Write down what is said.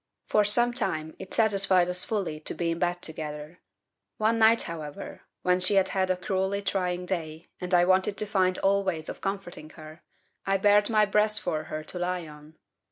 "For some time it satisfied us fully to be in bed together. One night, however, when she had had a cruelly trying day and I wanted to find all ways of comforting her, I bared by breast for her to lie on.